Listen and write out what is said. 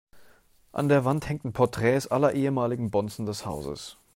An der Wand hängen Porträts aller ehemaligen Bonzen des Hauses.